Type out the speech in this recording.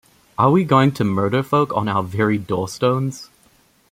Are we going to murder folk on our very door-stones?